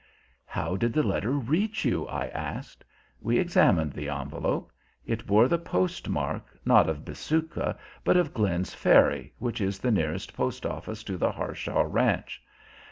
"How did the letter reach you?" I asked. We examined the envelope. It bore the postmark, not of Bisuka, but of Glenn's Ferry, which is the nearest post office to the Harshaw ranch.